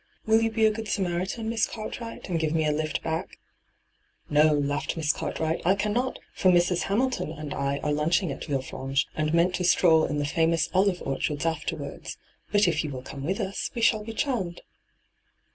' Will you be a good Samaritan, Miaa Cart wright, and give me a lift back V ' No,' laughed Miss Cartwright, ' I cannot ; for Mrs. Hamilton and I are lunching at Ville franche, and mean to stroll in the famous olive orchards afterwards. But if you will come with us we shall be charmed.'